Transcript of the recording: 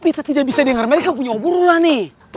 kita tidak bisa denger mereka punya obrolan nih